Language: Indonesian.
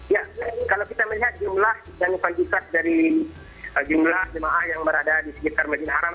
ya kalau kita melihat jumlah dan fasilitas dari jumlah jemaah yang berada di sekitar masjidil haram